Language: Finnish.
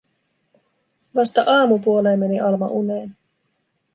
Vasta aamupuoleen meni Alma uneen.